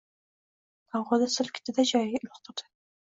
havoda silkitdi-da joyiga uloqtirdi.